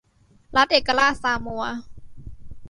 รัฐเอกราชซามัว